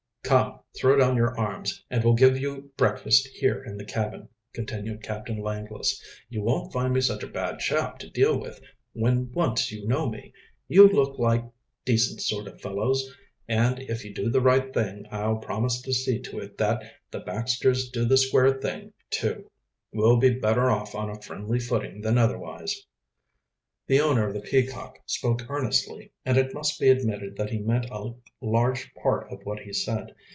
"Come, throw down your arms and we'll give you breakfast here in the cabin," continued Captain Langless. "You won't find me such a bad chap to deal with, when once you know me. You look like decent sort of fellows, and if you do the right thing I'll promise to see to it that the Baxters do the square thing, too. We'll be better off on a friendly footing than otherwise." The owner of the Peacock spoke earnestly, and it must be admitted that he meant a large part of what he said.